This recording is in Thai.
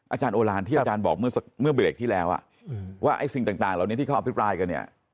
อาจารย์โอลานที่อาจารย์บอกเมื่อเบรกที่แล้วว่าไอ้สิ่งต่างเหล่านี้ที่เขาอภิปรายกันเนี่ย